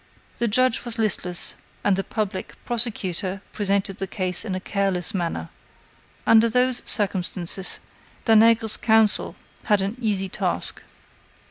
The judge was listless, and the public prosecutor presented the case in a careless manner. Under those circumstances, Danègre's counsel had an easy task.